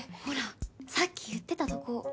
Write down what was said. ほらさっき言ってたとこ。